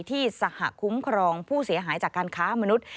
ที่สหคุ้มครองผู้เสียหายจากการค้ามนุษย์